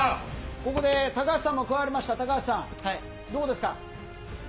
ここで高橋さんも加わりました、高橋さん、どうですか。